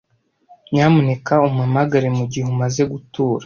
Nyamuneka umpamagare mugihe umaze gutura.